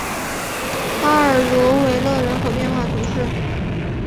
巴尔茹维勒人口变化图示